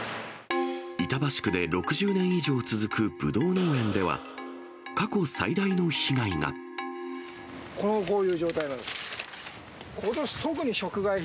板橋区で６０年以上続くぶどこういう状態なんですよ。